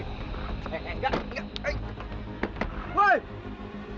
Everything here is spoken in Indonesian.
eh enggak enggak